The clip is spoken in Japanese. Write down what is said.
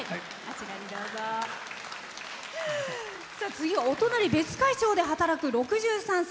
次はお隣、別海町で働く６３歳。